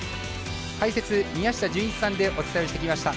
解説、宮下純一さんでお伝えしてきました。